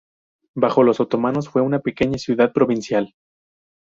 Bajo los otomanos fue una pequeña ciudad provincial.